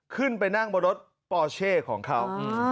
ขึ้นไปนั่งบนรถปอเช่ของเขา